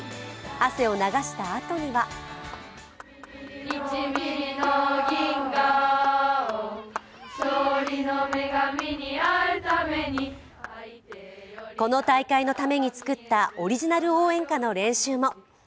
汗を流したあとにはこの大会のために作ったオリジナル応援歌の練習も。